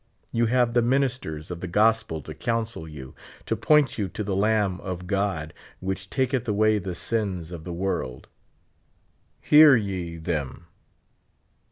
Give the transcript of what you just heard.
You have the ministers of the gospel to counsel you, to point you to the Lamb of God, which taketh away the sins of the world. Hear ye them.